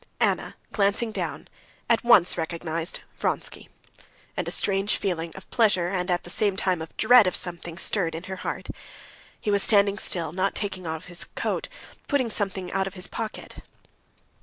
Anna glancing down at once recognized Vronsky, and a strange feeling of pleasure and at the same time of dread of something stirred in her heart. He was standing still, not taking off his coat, pulling something out of his pocket.